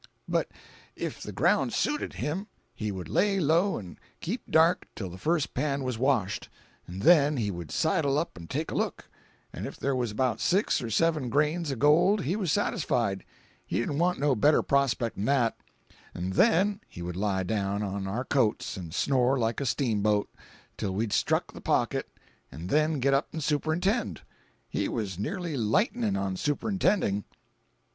But if the ground suited him, he would lay low 'n' keep dark till the first pan was washed, 'n' then he would sidle up 'n' take a look, an' if there was about six or seven grains of gold he was satisfied—he didn't want no better prospect 'n' that—'n' then he would lay down on our coats and snore like a steamboat till we'd struck the pocket, an' then get up 'n' superintend. He was nearly lightnin' on superintending.